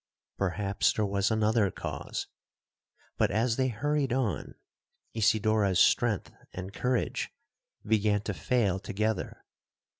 Perhaps there was another cause,—but as they hurried on, Isidora's strength and courage began to fail together.